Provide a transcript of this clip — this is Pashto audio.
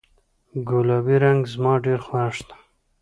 ګلابي رنګ زما ډیر خوښ ده